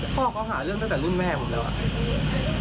พ่อเขาหาเรื่องตั้งแต่รุ่นแม่ผมแล้วอ่ะ